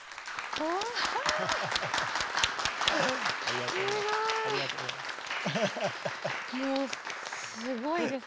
もうすごいです。